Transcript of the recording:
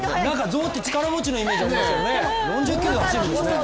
象って力持ちのイメージありますよね。